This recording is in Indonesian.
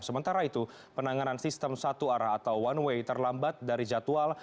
sementara itu penanganan sistem satu arah atau one way terlambat dari jadwal